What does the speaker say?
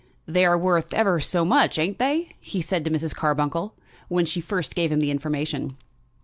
"They are worth ever so much; ain't they?" he said to Mrs. Carbuncle, when she first gave him the information.